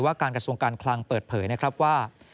การกระทรวงการคลังเปิดเผยนะครับว่า